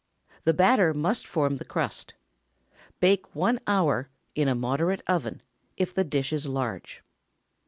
The batter must form the crust. Bake one hour, in a moderate oven, if the dish is large.